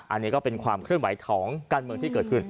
อันนี้ก็เป็นความเคลื่อนไหวของการเมืองที่เกิดขึ้น